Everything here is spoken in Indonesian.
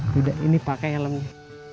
tidak ini pake helmnya